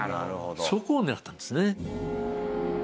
そこを狙ったんですね。